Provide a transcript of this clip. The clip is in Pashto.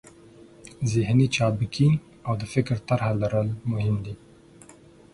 ذهني چابکي او د فکر طرحه لرل مهم دي.